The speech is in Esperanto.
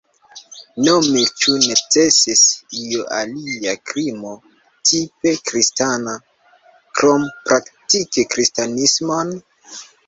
Nome ĉu necesis io alia krimo "tipe kristana" krom praktiki kristanismon?